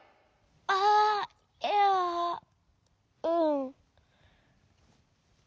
あっいやうん。